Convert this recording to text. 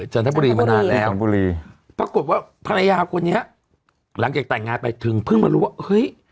จันทบุรีมานานแล้วจันทบุรีปรากฏว่าภรรยาคนนี้หลังจากแต่งงานไปถึงเพิ่งมารู้ว่าเฮ้ย